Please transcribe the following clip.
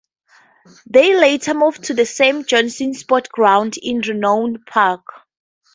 They later moved to the Sam Johnson Sportsground in Renown Park.